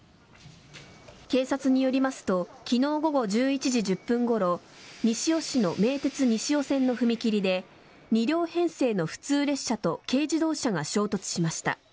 警察によりますと昨日午後１１時１０分ごろ西尾市の名鉄西尾線の踏切で２両編成の普通列車と軽自動車が衝突しました。